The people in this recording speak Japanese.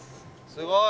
すごい。